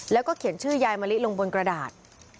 แล้วก็เขียนชื่อยายมะลิลงบนกระดาษ